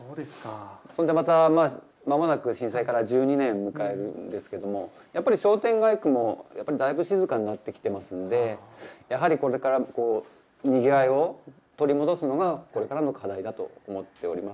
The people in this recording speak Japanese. それでまた、まもなく震災から１２年を迎えるんですけども、やっぱり商店街区もやっぱり、だいぶ静かになってきてますんで、やはりこれからもにぎわいを取り戻すのが、これからの課題だと思っております。